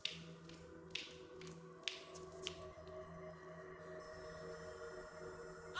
menunggukan dukun yang lebih sakit dari simba